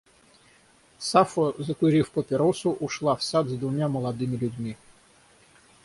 Сафо, закурив папиросу, ушла в сад с двумя молодыми людьми.